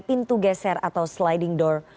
pintu geser atau sliding door